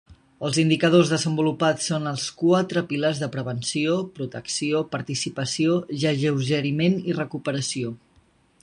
Els indicadors desenvolupats són els quatre pilars de prevenció, protecció, participació i alleugeriment i recuperació.